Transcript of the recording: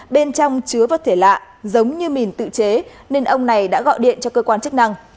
bên trong chứa vật thể lạ giống như mìn tự chế nên ông này đã gọi điện cho cơ quan chức năng